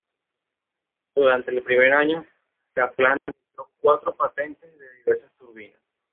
Durante el primer año Kaplan registró cuatro patentes de diversas turbinas.